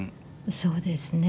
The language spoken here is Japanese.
そうですね。